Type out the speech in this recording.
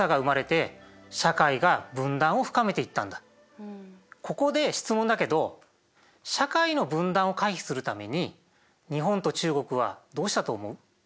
都市の内部やここで質問だけど社会の分断を回避するために日本と中国はどうしたと思う？